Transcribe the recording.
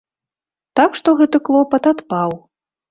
Так што гэты клопат адпаў.